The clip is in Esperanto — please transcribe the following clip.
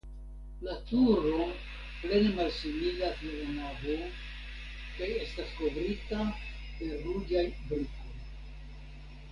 La turo plene malsimilas de la navo kaj estas kovrita per ruĝaj brikoj.